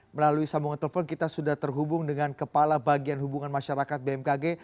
melalui sambungan telepon kita sudah terhubung dengan kepala bagian hubungan masyarakat bmkg